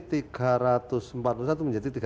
tiga ratus empat puluh satu menjadi tiga ratus